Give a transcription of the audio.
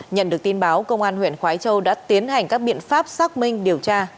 nhận được tin báo công an huyện khói châu đã tiến hành các biện pháp xác minh điều tra